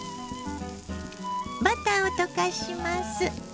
バターを溶かします。